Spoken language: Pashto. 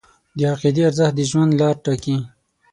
د عقیدې ارزښت د ژوند لار ټاکي.